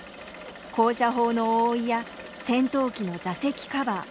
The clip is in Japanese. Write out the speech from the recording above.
高射砲の覆いや戦闘機の座席カバー。